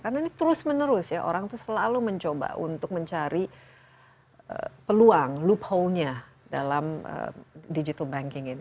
karena ini terus menerus ya orang itu selalu mencoba untuk mencari peluang loophole nya dalam digital banking ini